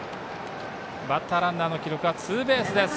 バッターランナーの記録はツーベースです。